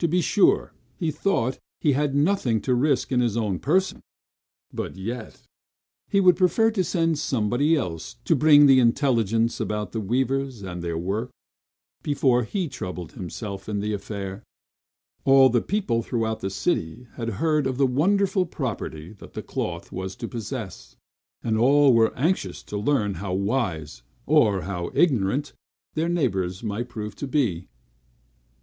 To be sure, he thought he had nothing to risk in his own person; but yet, he would prefer sending somebody else, to bring him intelligence about the weavers, and their work, before he troubled himself in the affair. All the people throughout the city had heard of the wonderful property the cloth was to possess; and all were anxious to learn how wise, or how ignorant, their neighbors might prove to be.